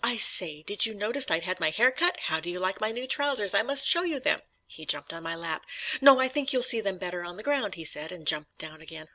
I say, did you notice I'd had my hair cut? How do you like my new trousers? I must show you them." He jumped on to my lap. "No, I think you'll see them better on the ground," he said, and jumped down again.